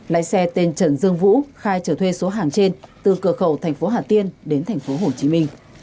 lái xe tên trần dương vũ khai chở thuê số hàng trên từ cửa khẩu tp hà tiên đến tp hồ chí minh